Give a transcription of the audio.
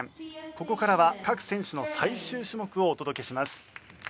ここからは各選手の最終種目をお届けします。